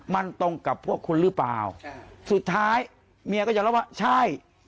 มันตรงกับพวกคุณหรือเปล่าสุดท้ายเมียก็ยอมรับว่าใช่